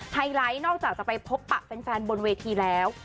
ไฮไลท์นอกจากจะไปพบปะแฟนบนเวทีแล้ว